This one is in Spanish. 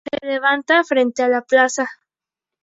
Se levanta frente a la plaza.